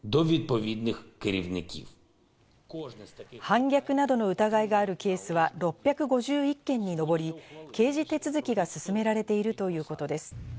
反逆などの疑いがあるケースは６５１件に上り、刑事手続きが進められているということです。